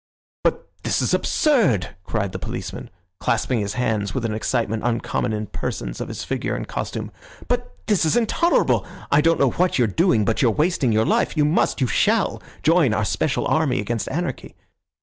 "But this is absurd!" cried the policeman, clasping his hands with an excitement uncommon in persons of his figure and costume, "but it is intolerable! I don't know what you're doing, but you're wasting your life. You must, you shall, join our special army against anarchy.